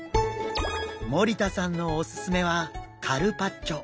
森田さんのおすすめはカルパッチョ。